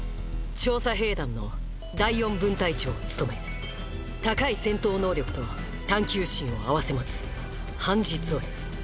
調査兵団の第４分隊長を務め高い戦闘能力と探究心を併せ持つハンジ・ゾエ。